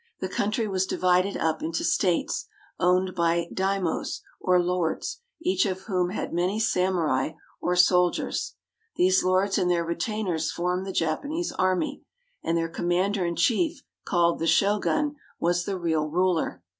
The country was divided up into states, owned by daimos, or lords, each of whom had many samurai, or soldiers. These lords and their retainers formed the Japanese army, and their commander in chief, called the Shogun, was the real ruler.